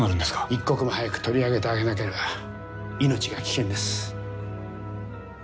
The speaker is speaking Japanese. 一刻も早く取り上げてあげなければ命が危険です。